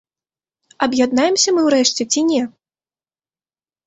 Аб'яднаемся мы ўрэшце ці не?